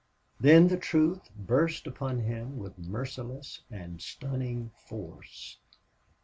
Then the truth burst upon him with merciless and stunning force.